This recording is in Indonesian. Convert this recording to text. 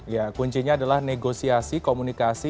ya kuncinya adalah negosiasi komunikasi